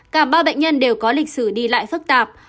cả ba bệnh nhân đều có lịch sử đi lại phức tạp